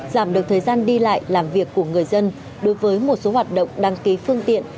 giảm được thời gian đi lại làm việc của người dân đối với một số hoạt động đăng ký phương tiện